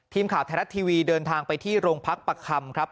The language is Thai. ทีมข่าวไทยรัฐทีวีเดินทางไปที่โรงพักประคำครับ